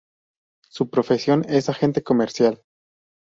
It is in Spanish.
Su profesión es agente comercial.